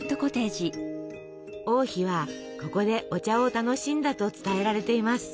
王妃はここでお茶を楽しんだと伝えられています。